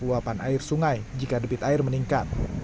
dampak luapan air sungai jika depit air meningkat